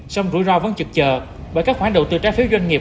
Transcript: song rủi ro vẫn trực chờ bởi các khoản đầu tư trái phiếu doanh nghiệp